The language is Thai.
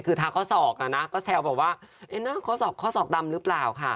คือทางข้อศอกอะนะก็แซวบอกว่าข้อศอกดำหรือเปล่าค่ะ